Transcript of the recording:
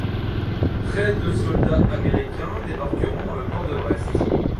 Près de soldats américains débarqueront dans le port de Brest.